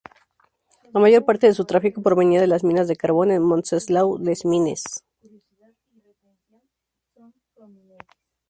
La mayor parte de su tráfico provenía de las minas de carbón en Montceau-les-Mines.